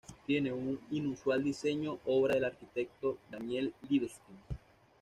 Tiene un inusual diseño, obra del arquitecto Daniel Libeskind.